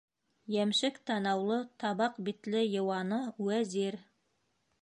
Йәмшек танаулы, табаҡ битле йыуаны - Вәзир.